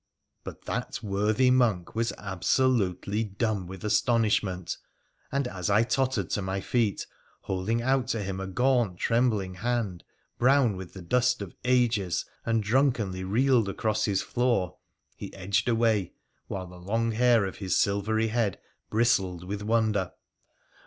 But that worthy monk was absolutely dumb with astonish ment, and as I tottered to my feet, holding out to him a gaunt trembling hand, brown with the dust of ages, and drunkenly reeled across his floor, he edged away, while the long hair of his silvery head bristled with wonder.